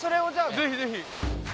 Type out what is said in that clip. ぜひぜひ。